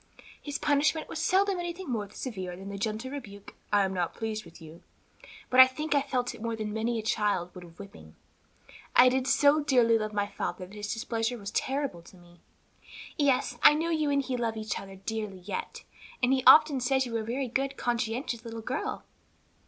"His punishment was seldom anything more severe than the gentle rebuke, 'I am not pleased with you,' but I think I felt it more than many a child would a whipping; I did so dearly love my father that his displeasure was terrible to me." "Yes, I know you and he love each other dearly yet, and he often says you were a very good, conscientious little girl."